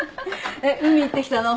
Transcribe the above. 海行ってきたの？